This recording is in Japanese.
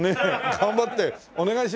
頑張ってお願いしますよ。